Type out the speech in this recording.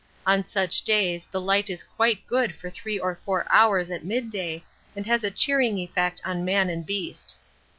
On such days the light is quite good for three to four hours at midday and has a cheering effect on man and beast.